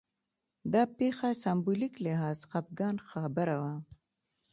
دا پېښه سېمبولیک لحاظ خپګان خبره وه